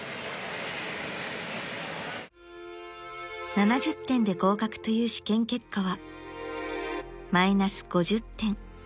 ［７０点で合格という試験結果はマイナス５０点］